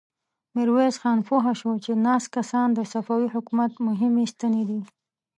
ميرويس خان پوه شو چې ناست کسان د صفوي حکومت مهمې ستنې دي.